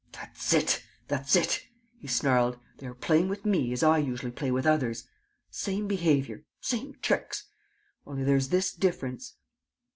"That's it, that's it," he snarled. "They are playing with me as I usually play with others. Same behaviour. Same tricks. Only there's this difference...."